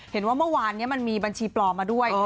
เห็นว่าเมื่อวานนี้มันมีบัญชีปลอมมาด้วย